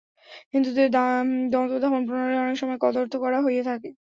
হিন্দুদের দন্তধাবন-প্রণালীর অনেক সময়ে কদর্থ করা হইয়া থাকে।